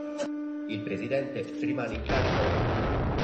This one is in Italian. Il presidente rimane in carica un anno.